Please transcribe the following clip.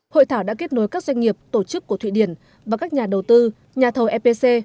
hội thảo đã kết nối các doanh nghiệp tổ chức của thụy điển và các nhà đầu tư nhà thầu epc